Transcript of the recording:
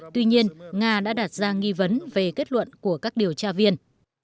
tuy nhiên nga đã đặt ra nghi vấn về kết luận của các điều tra viên